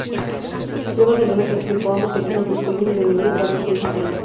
Nueva Zelanda clasificó ambos equipos masculino y femenino para esta disciplina.